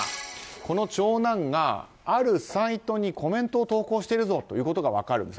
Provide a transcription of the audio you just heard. この長男があるサイトにコメントを投稿しているぞということが分かるんです。